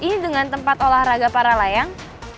ini dengan tempat olahraga para layang